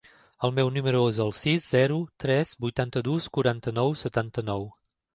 El meu número es el sis, zero, tres, vuitanta-dos, quaranta-nou, setanta-nou.